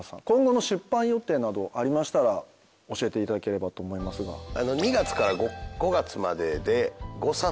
今後の出版予定などありましたら教えていただければと思いますが。